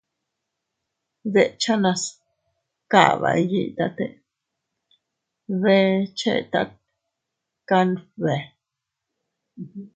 Dechenas kaba iyitate bee chetat kanbe.